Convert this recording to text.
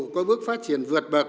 có bước phát triển